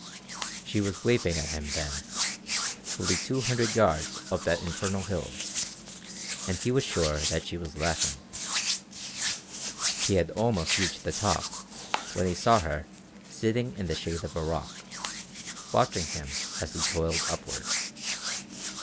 She was waving at him then, fully two hundred yards up that infernal hill, and he was sure that she was laughing. He had almost reached the top when he saw her sitting in the shade of a rock, watching him as he toiled upward.